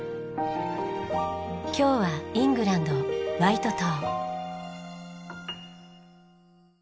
今日はイングランドワイト島。